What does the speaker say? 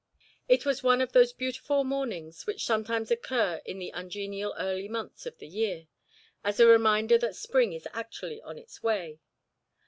It was one of those beautiful mornings which sometimes occur in the ungenial early months of the year, as a reminder that spring is actually on its way.